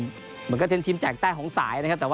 เหมือนกันอย่างที่เป็นทีมถ่ายแต้งของสายนะครับ